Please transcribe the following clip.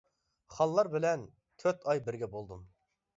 خانلار بىلەن تۆت ئاي بىرگە بولدۇم.